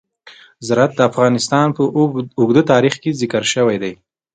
زراعت د افغانستان په اوږده تاریخ کې ذکر شوی دی.